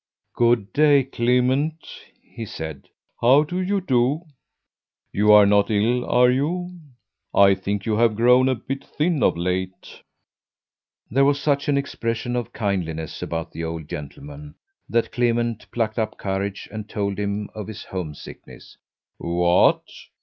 "Good day, Clement!" he said. "How do you do? You are not ill, are you? I think you have grown a bit thin of late." There was such an expression of kindliness about the old gentleman that Clement plucked up courage and told him of his homesickness. "What!"